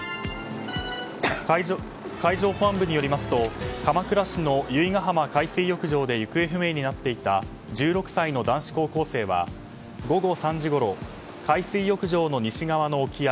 海上保安部によりますと鎌倉市の由比ガ浜海水浴場で行方不明になっていた１６歳の男子高校生は午後３時ごろ、海水浴場の西側の沖合